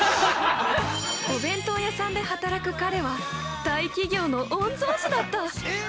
◆お弁当屋さんで働く彼は大企業の御曹司だった。